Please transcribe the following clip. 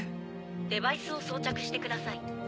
デバイスを装着してください。